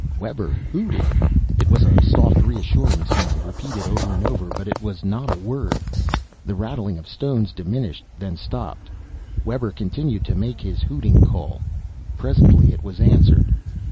Webber hooted. It was a soft reassuring sound, repeated over and over, but it was not a word. The rattle of stones diminished, then stopped. Webber continued to make his hooting call. Presently it was answered.